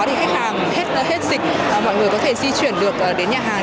sau đó thì khách hàng hết dịch mọi người có thể di chuyển được đến nhà hàng